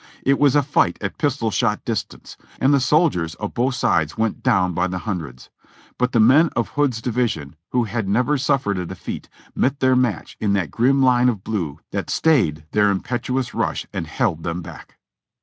It was a fight at pistol shot dis tance, and the soldiers of both sides went down by the hun dreds. But the men of Hood's division, who had never suffered a defeat, met their match in that grim line of blue that stayed their impetuous rush and held them back.